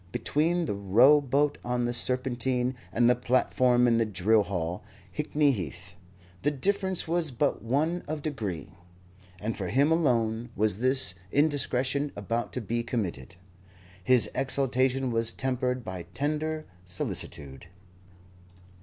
Between the row boat on the Serpentine and the platform in the drill hall, Hickney Heath, the difference was but one of degree. And for him alone was this indiscretion about to be committed. His exultation was tempered by tender solicitude.